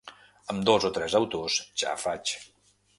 Amb dos o tres autors ja faig.